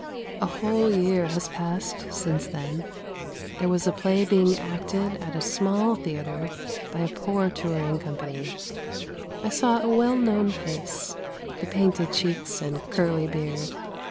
" A whole year has passed since then. There was a play being acted at a small theatre by a poor touring company, I saw a well known face, the painted cheeks and curly beard.